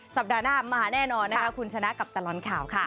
สัปดาห์หน้ามาแน่นอนนะคะคุณชนะกับตลอดข่าวค่ะ